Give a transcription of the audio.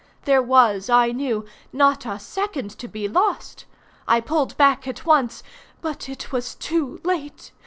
There was, I knew, not a second to be lost. I pulled back at once—but it was too late.